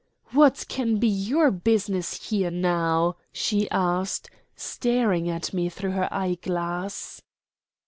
"What can be your business here now?" she asked, staring at me through her eyeglass.